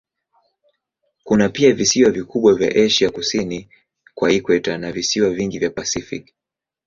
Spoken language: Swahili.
Kuna pia visiwa vikubwa vya Asia kusini kwa ikweta na visiwa vingi vya Pasifiki.